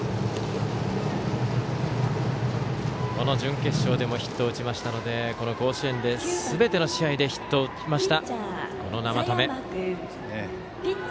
この準決勝でもヒットを打ちましたのでこの甲子園すべての試合でヒットを打ちました生田目。